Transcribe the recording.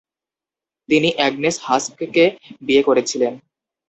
তিনি অ্যাগনেস হাস্ককে বিয়ে করেছিলেন।